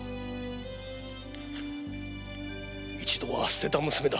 一度は捨てた娘だ。